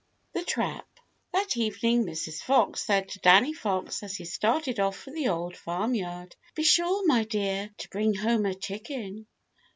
THE TRAP That evening Mrs. Fox said to Danny Fox as he started off for the Old Farm Yard: "Be sure, my dear, to bring home a chicken."